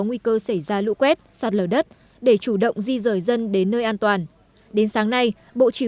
nguy cơ xảy ra lũ quét sạt lở đất để chủ động di rời dân đến nơi an toàn đến sáng nay bộ chỉ